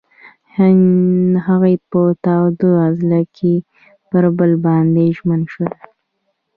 هغوی په تاوده غزل کې پر بل باندې ژمن شول.